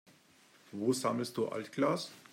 Wo sammelst du Altglas?